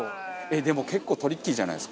でも結構トリッキーじゃないですか？